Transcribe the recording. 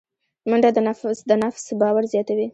منډه د نفس باور زیاتوي